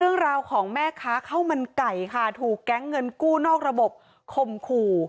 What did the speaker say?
เรื่องราวของแม่ค้าข้าวมันไก่ค่ะถูกแก๊งเงินกู้นอกระบบคมขู่